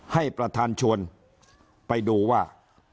ให้ประธานชวนไปดูว่า